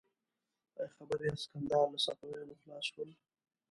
ایا خبر یاست کندهار له صفویانو خلاصول شو؟